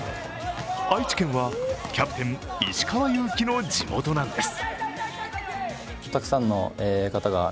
愛知県はキャプテン・石川祐希の地元なんです。